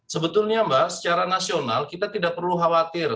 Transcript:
sebetulnya mbak secara nasional kita tidak perlu khawatir